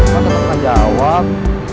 kamu tetep gak jawab